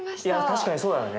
確かにそうだよね。